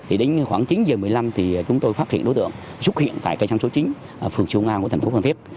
thì đến khoảng chín h một mươi năm thì chúng tôi phát hiện đối tượng xuất hiện tại cây sáng số chín phường chiêu nga của thành phố văn thiết